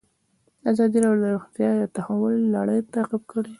ازادي راډیو د روغتیا د تحول لړۍ تعقیب کړې.